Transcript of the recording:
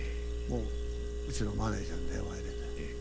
うちのマネージャーに電話入れて。